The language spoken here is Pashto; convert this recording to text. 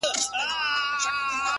زمـا مــاسوم زړه.!